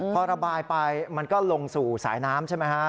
พอระบายไปมันก็ลงสู่สายน้ำใช่ไหมฮะ